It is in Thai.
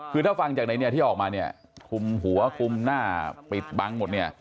คือถ้าฟังจากไหนที่ออกมาคุมหัวคุมหน้าปิดบังหมด